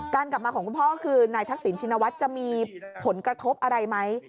กลับมาของคุณพ่อก็คือนายทักษิณชินวัฒน์จะมีผลกระทบอะไรไหม